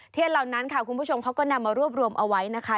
เหล่านั้นค่ะคุณผู้ชมเขาก็นำมารวบรวมเอาไว้นะคะ